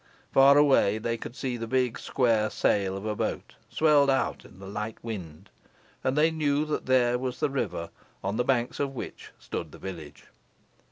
Far away they could see the big square sail of a boat, swelled out in the light wind, and they knew that there was the river, on the banks of which stood the village.